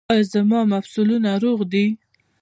ایا زما مفصلونه روغ دي؟